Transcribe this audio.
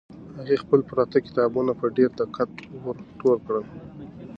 هغې خپل پراته کتابونه په ډېر دقت ور ټول کړل.